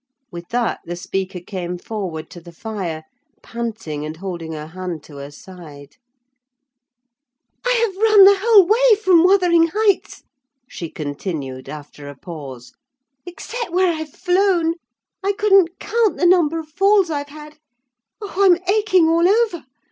With that the speaker came forward to the fire, panting and holding her hand to her side. "I have run the whole way from Wuthering Heights!" she continued, after a pause; "except where I've flown. I couldn't count the number of falls I've had. Oh, I'm aching all over!